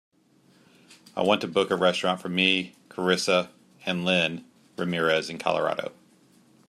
I want to book a restaurant for me, carissa and lynn ramirez in Colorado.